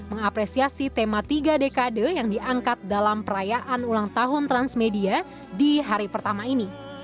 mengapresiasi tema tiga dekade yang diangkat dalam perayaan ulang tahun transmedia di hari pertama ini